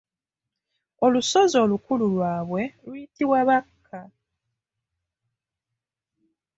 Olusozi olukulu lwabwe luyitibwa Bakka.